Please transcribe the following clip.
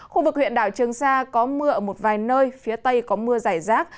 khu vực huyện đảo trường sa có mưa ở một vài nơi phía tây có mưa giải rác